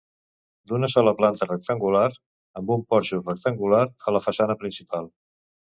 D'una sola planta rectangular, amb un porxo rectangular a la façana principal.